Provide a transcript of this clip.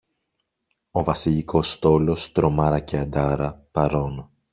Ο Βασιλικός στόλος, «Τρομάρα» και «Αντάρα», παρών!